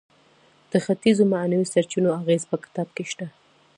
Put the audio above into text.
د ختیځو معنوي سرچینو اغیز په کتاب کې شته.